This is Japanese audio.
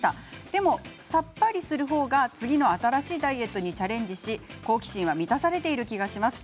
でもさっぱりする方が次の新しいダイエットにチャレンジに好奇心は満たされているような気がします。